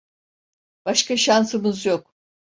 Başka şansımız yok.